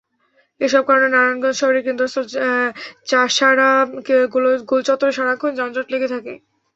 এসব কারণে নারায়ণগঞ্জ শহরের কেন্দ্রস্থল চাষাঢ়া গোলচত্বরে সারাক্ষণ যানজট লেগে থাকে।